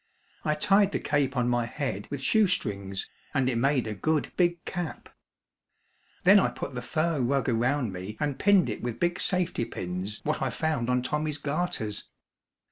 I tied the cape on my head with shoestrings and it made a good big cap. Then I put the fur rug around me and pinned it with big safety pins what I found on Tommy's garters.